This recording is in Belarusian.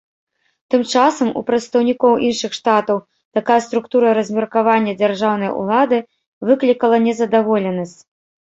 Тым часам, у прадстаўнікоў іншых штатаў такая структура размеркавання дзяржаўнай улады выклікала незадаволенасць.